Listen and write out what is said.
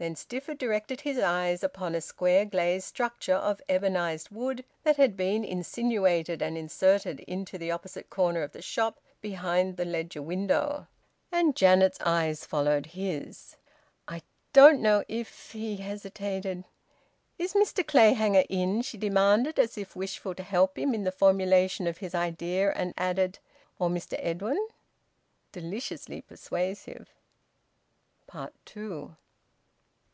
Then Stifford directed his eyes upon a square glazed structure of ebonised wood that had been insinuated and inserted into the opposite corner of the shop, behind the ledger window. And Janet's eyes followed his. "I don't know if " he hesitated. "Is Mr Clayhanger in?" she demanded, as if wishful to help him in the formulation of his idea, and she added: "Or Mr Edwin?" Deliciously persuasive! TWO.